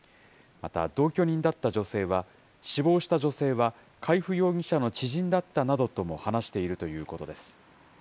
また、同居人だった女性は、死亡した女性は海部容疑者の知人だったなどとも話しているということです。